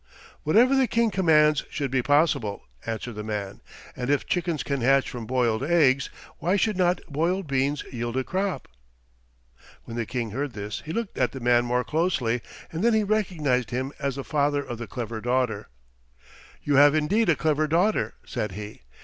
"Whatever the King commands should be possible," answered the man, "and if chickens can hatch from boiled eggs why should not boiled beans yield a crop?" When the King heard this he looked at the man more closely, and then he recognized him as the father of the clever daughter. "You have indeed a clever daughter," said he.